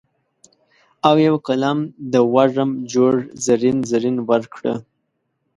او یو قلم د وږم جوړ زرین، زرین ورکړه